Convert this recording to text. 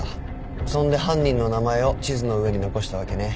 そんで犯人の名前を地図の上に残したわけね。